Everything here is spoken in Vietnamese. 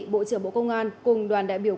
bộ trưởng bộ công an cùng đoàn đại biểu